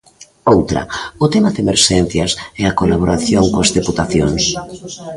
Outra, o tema de emerxencias e a colaboración coas deputacións.